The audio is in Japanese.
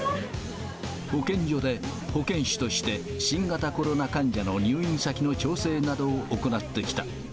保健所で保健師として、新型コロナ患者の入院先の調整などを行ってきた。